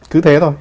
cứ thế thôi